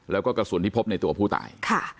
แล้วก็กระสุนที่พบในตัวผู้ตาย